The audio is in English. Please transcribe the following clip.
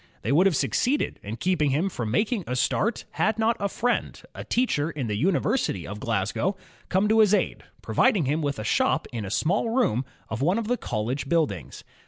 They would have succeeded in keeping him from making a start, had not a friend, a teacher in the University of Glasgow, come to his aid, providing him with a shop in a small room of one of the college buildings.